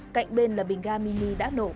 cạnh bên là bình garmini